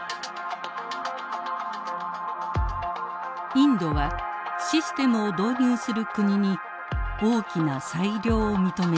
インドはシステムを導入する国に大きな裁量を認めています。